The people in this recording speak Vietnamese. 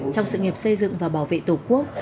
trong sự nghiệp xây dựng và bảo vệ tổ quốc